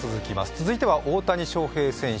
続いては大谷翔平選手。